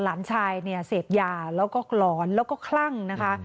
หลานชายเนี่ยเสพยาแล้วก็หลอนแล้วก็คลั่งนะคะ